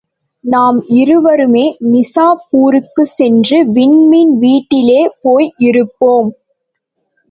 நாம் இருவருமே, நிசாப்பூருக்குச் சென்று விண்மீன் வீட்டிலே போய் இருப்போம்.